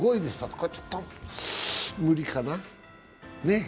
これはちょっと無理かな。